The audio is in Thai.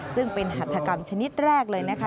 ซึ่งเป็นหัตถกรรมชนิดแรกเลยนะคะ